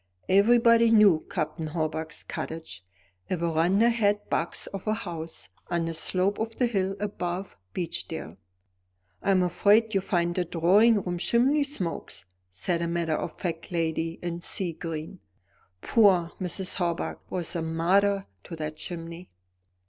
Everybody knew Captain Hawbuck's cottage, a verandahed box of a house, on the slope of the hill above Beechdale. "I'm afraid you'll find the drawing room chimney smokes," said a matter of fact lady in sea green; "poor Mrs. Hawbuck was a martyr to that chimney."